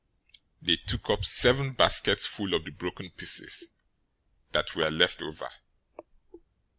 They took up seven baskets full of the broken pieces that were left over.